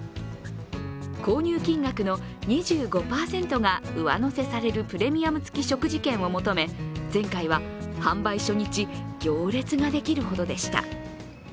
購入金額の２５％が上乗せされるプレミアム付き食事券を求め前回は販売初日行列ができるほどでした。